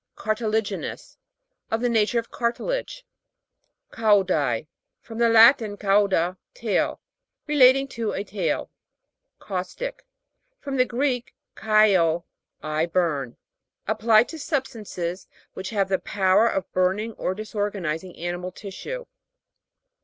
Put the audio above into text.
CARTILA'GINOUS. Of the nature of cartilage. CAU'DAI. From the Latin, cauda, tail. Relating to a tail. CAUS'TIC. From the Greek, kaid, I burn. Applied to substances which have the power of burning or dis organizing animal tissue.